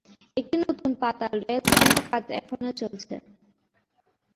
একটি নতুন পাতাল রেল তৈরির কাজ এখনো চলছে।